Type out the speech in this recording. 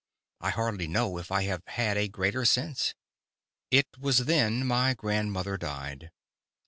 I hardly know if I have had a greater since. It was then my grandmother died.